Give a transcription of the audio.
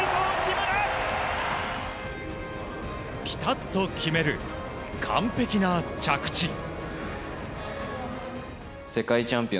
ピタっと決める完璧な着地。